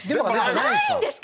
ないんですか？